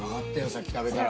さっき食べたら。